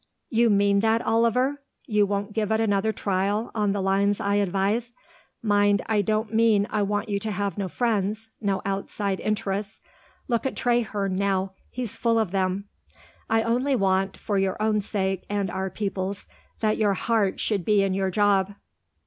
"You mean that, Oliver? You won't give it another trial, on the lines I advise? Mind, I don't mean I want you to have no friends, no outside interests.... Look at Traherne, now; he's full of them.... I only want, for your own sake and our people's, that your heart should be in your job."